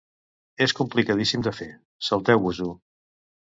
És complicadíssim de fer, salteu-vos-ho!